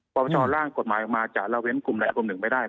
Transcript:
ปปชร่างกฎหมายออกมาจะละเว้นกลุ่มใดกลุ่มหนึ่งไม่ได้